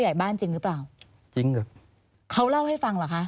ใหญ่บ้านจริงหรือเปล่าจริงเหรอเขาเล่าให้ฟังเหรอคะ